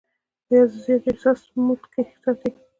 يا زيات حساس موډ کښې ساتي -